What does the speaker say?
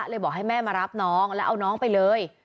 บอกให้แม่มารับน้องแล้วเอาน้องไปเลย